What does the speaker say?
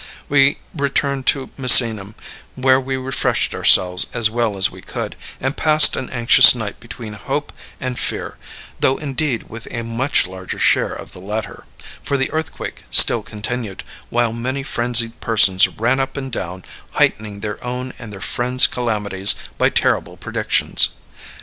We returned to Misenum, where we refreshed ourselves as well as we could, and passed an anxious night between hope and fear, though indeed with a much larger share of the latter, for the earthquake still continued, while many frenzied persons ran up and down, heightening their own and their friends' calamities by terrible predictions.